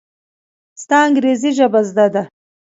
ستا انګرېزي ژبه زده ده!